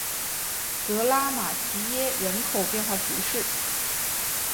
格拉马齐耶人口变化图示